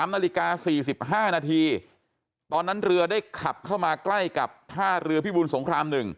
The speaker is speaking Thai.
๓นาฬิกา๔๕นาทีตอนนั้นเรือได้ขับเข้ามาใกล้กับท่าเรือพิบูลสงคราม๑